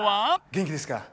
元気ですか？